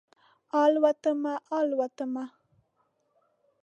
الوتمه، الوتمه